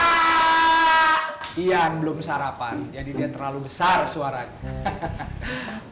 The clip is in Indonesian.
yian belum sarapan jadi dia terlalu besar suaranya hahaha